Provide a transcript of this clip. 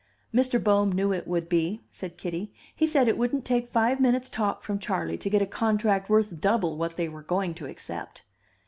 "Mr. Bohm knew it would be," said Kitty. "He said it wouldn't take five minutes' talk from Charley to get a contract worth double what they were going to accept."